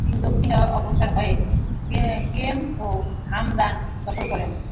তিনি দক্ষিণে অগ্রসর হয়ে কোম ও হামাদান দখল করেন।